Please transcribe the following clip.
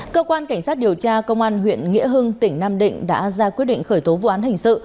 cơ quan cảnh sát điều tra công an huyện nghĩa hưng tỉnh nam định đã ra quyết định khởi tố vụ án hình sự